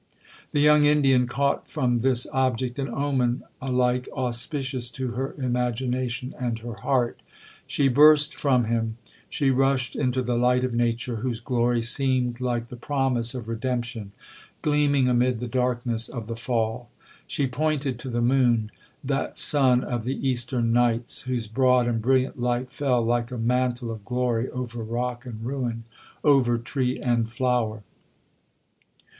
'The young Indian caught from this object an omen alike auspicious to her imagination and her heart. She burst from him—she rushed into the light of nature, whose glory seemed like the promise of redemption, gleaming amid the darkness of the fall. She pointed to the moon, that sun of the eastern nights, whose broad and brilliant light fell like a mantle of glory over rock and ruin, over tree and flower.